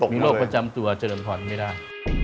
มีโรคประจำตัวเจริญพรไม่ได้